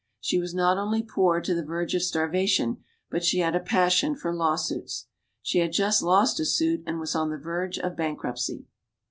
She was not only poor to the verge of starvation, but she had a passion for lawsuits. She had just lost a suit, and was on the verge of bankruptcy.